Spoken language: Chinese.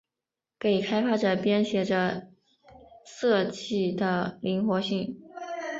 给开发者编写着色器的灵活性。